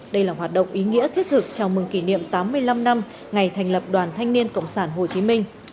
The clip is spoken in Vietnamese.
đây là hoạt động ý nghĩa thiết thực chào mừng kỷ niệm tám mươi năm năm ngày thành lập đoàn thanh niên cộng sản hồ chí minh